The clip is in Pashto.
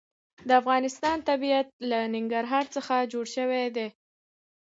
د افغانستان طبیعت له ننګرهار څخه جوړ شوی دی.